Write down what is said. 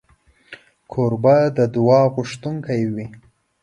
کوربه د دعا غوښتونکی وي.